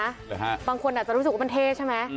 หรือฮะบางคนอาจจะรู้สึกว่ามันเท่ใช่ไหม